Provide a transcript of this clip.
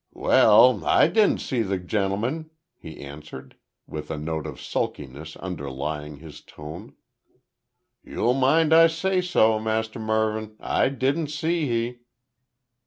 "Well, I didn't see the gemmun," he answered, with a note of sulkiness underlying his tone. "You'll mind I said so, Mus' Mervyn. I didn't see he."